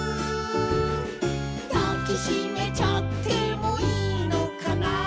「だきしめちゃってもいいのかな」